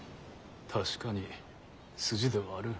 確かに筋ではある。